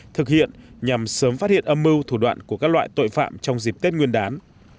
thực hiện nhằm sớm phát hiện âm mưu thủ đoạn của các loại tội phạm trong dịp tết nguyên đán